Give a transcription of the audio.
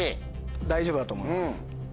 大丈夫だと思います。